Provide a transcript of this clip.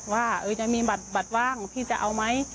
ว่าจะมีบัตรว่างพี่จะเอาไหม